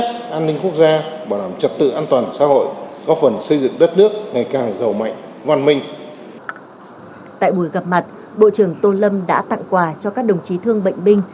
tại buổi gặp mặt bộ trưởng tô lâm đã tặng quà cho các đồng chí thương bệnh binh